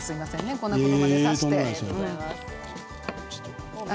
こんなことまでさせて。